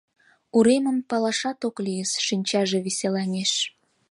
— Уремым палашат ок лийыс», — шинчаже веселаҥеш.